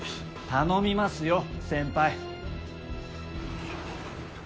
頼みますよ先輩。